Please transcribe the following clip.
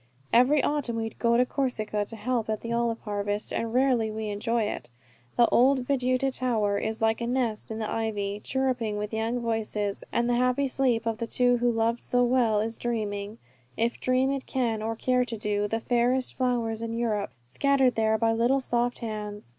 Every autumn we go to Corsica to help at the olive harvest, and rarely we enjoy it. The Old Veduta Tower is like a nest in the ivy, chirruping with young voices; and the happy sleep of the two who loved so well is dreaming, if dream it can or care to do, of the fairest flowers in Europe, scattered there by little soft hands.